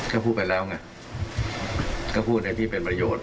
ก็พูดไปแล้วไงก็พูดในที่เป็นประโยชน์